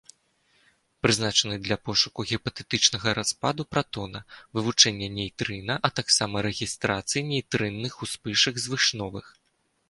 Прызначаны для пошуку гіпатэтычнага распаду пратона, вывучэння нейтрына, а таксама рэгістрацыі нейтрынных успышак звышновых.